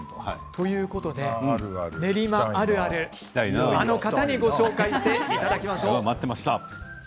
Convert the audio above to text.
そういうことで練馬あるあるあの方にご紹介していただきましょう。